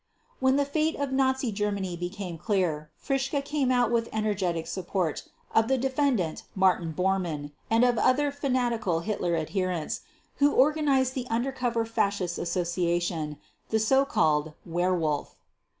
When the fate of Nazi Germany became clear, Fritzsche came out with energetic support of the Defendant Martin Bormann and of other fanatical Hitler adherents who organized the undercover fascist association, the so called "Werewolf".